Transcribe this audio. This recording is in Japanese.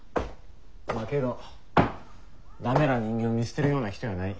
まあけど駄目な人間を見捨てるような人やない。